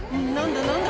何だ？